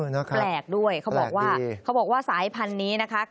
ใช่แปลกด้วยเขาบอกว่าสายพันธุ์นี้นะคะ